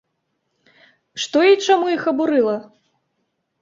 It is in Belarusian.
Што і чаму іх абурыла?